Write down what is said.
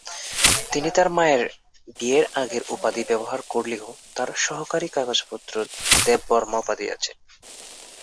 তিনি তার মায়ের বিয়ের আগের উপাধি ব্যবহার করলেও তার সরকারী কাগজপত্র দেব বর্মা উপাধি আছে।